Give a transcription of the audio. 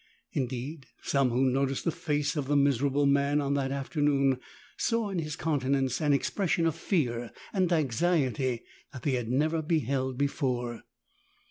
Indeed some who noticed the face of the miserable man on that afternoon saw in his countenance an expression of fear and anxiety that they had never beheld before.